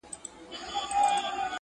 د لېوه له خولې به ولاړ سمه قصاب ته!.